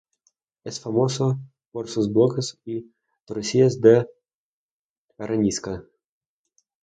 Es famoso por sus bloques y torrecillas de arenisca.